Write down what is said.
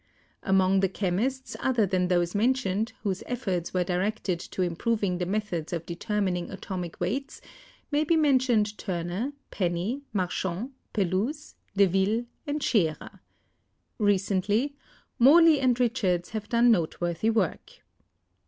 Among the chemists other than those mentioned whose efforts were directed to improving the methods of deter mining atomic weights may be mentioned Turner, Penny, Marchand, Pelouze, De Ville, and Scheerer. Recently Morley and Richards have done noteworthy work.